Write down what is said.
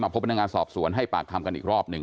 พบพนักงานสอบสวนให้ปากคำกันอีกรอบหนึ่ง